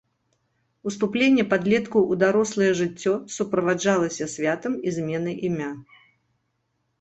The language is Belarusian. Уступленне падлеткаў у дарослае жыццё суправаджалася святам і зменай імя.